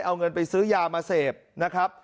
เอาเงินไปซื้อยามาเสพนะครับ